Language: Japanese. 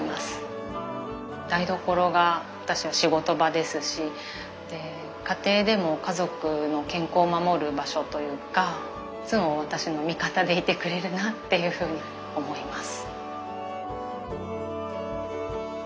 台所が私の仕事場ですしで家庭でも家族の健康を守る場所というかいつも私の味方でいてくれるなっていうふうに思います。